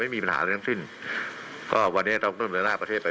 ไม่มีปัญหาอะไรทั้งสิ้นก็วันนี้ต้องลงกับหน้าประเทศไป